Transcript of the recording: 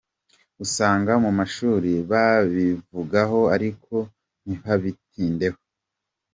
Usanga mu mashuri babivugaho ariko ntibabitindeho.